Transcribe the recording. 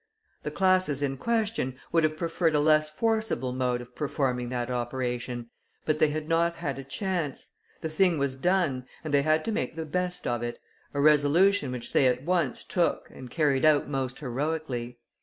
The classes in question would have preferred a less forcible mode of performing that operation, but they had not had a chance; the thing was done, and they had to make the best of it, a resolution which they at once took and carried out most heroically.